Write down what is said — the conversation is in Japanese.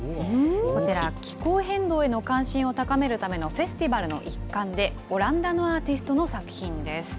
こちら、気候変動への関心を高めるためのフェスティバルの一環で、オランダのアーティストの作品です。